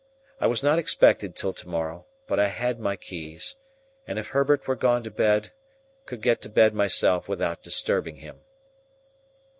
I was not expected till to morrow; but I had my keys, and, if Herbert were gone to bed, could get to bed myself without disturbing him.